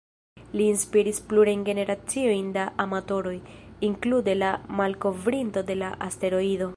Li inspiris plurajn generaciojn da amatoroj, inklude la malkovrinto de la asteroido.